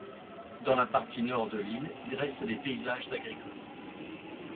Dans la partie nord de l'île, il reste des paysages agricoles.